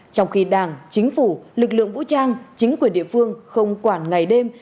trong khi đảng chính phủ lực lượng vũ trang chính quyền địa phương không quản ngày đêm